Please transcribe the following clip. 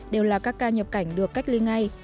đều là các ca nhập cảnh được cách ly ngay